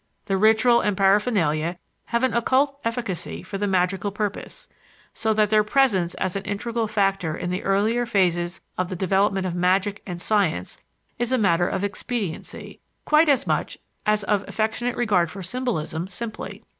The ritual and paraphernalia have an occult efficacy for the magical purpose; so that their presence as an integral factor in the earlier phases of the development of magic and science is a matter of expediency, quite as much as of affectionate regard for symbolism simply.